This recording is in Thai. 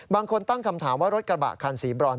บางคนตั้งคำถามว่ารถกระบะคันสีบรอน